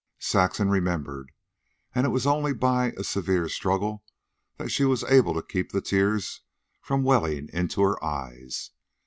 Saxon remembered, and it was only by a severe struggle that she was able to keep the tears from welling into her eyes.